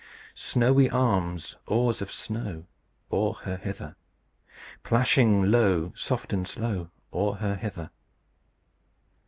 Snowy arms, Oars of snow, Oar her hither, Plashing low. Soft and slow, Oar her hither.